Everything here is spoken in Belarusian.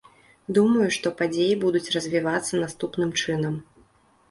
Думаю, што падзеі будуць развівацца наступным чынам.